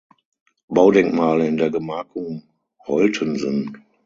Baudenkmale in der Gemarkung Holtensen.